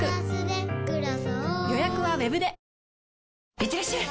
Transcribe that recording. いってらっしゃい！